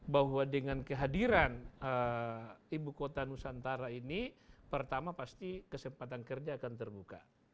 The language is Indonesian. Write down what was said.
bahwa dengan kehadiran ibu kota nusantara ini pertama pasti kesempatan kerja akan terbuka